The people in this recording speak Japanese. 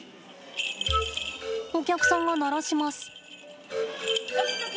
お客さんが鳴らします。